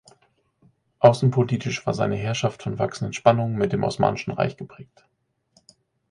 Außenpolitisch war seine Herrschaft von wachsenden Spannungen mit dem Osmanischen Reich geprägt.